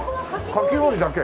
かき氷だけ？